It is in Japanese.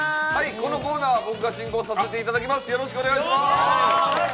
このコーナーは僕が進行させていただきます。